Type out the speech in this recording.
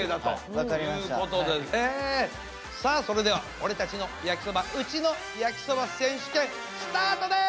さあそれでは「俺たちの焼きそば」「うちの焼きそば」選手権スタートです！